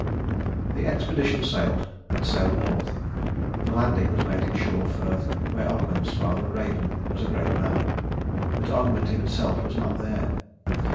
The expedition sailed, and sailed north. The landing was made in Shaw Firth where Ogmund's father, Raven, was a great man. But Ogmund himself was not there.